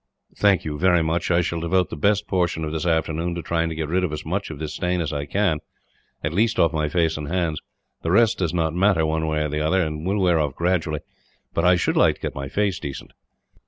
"Thank you very much. I shall devote the best portion of this afternoon to trying to get rid of as much of this stain as I can, at least off my face and hands. The rest does not matter, one way or the other, and will wear off gradually; but I should like to get my face decent."